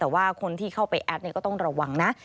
แต่ว่าคนที่เข้าไปแอดก็ต้องระวังนะ